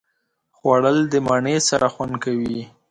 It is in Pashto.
خوړل د مڼې سره خوند کوي